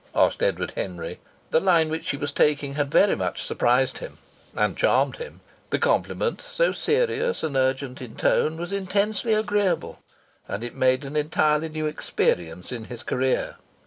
asked Edward Henry. The line which she was taking had very much surprised him and charmed him. The compliment, so serious and urgent in tone, was intensely agreeable, and it made an entirely new experience in his career.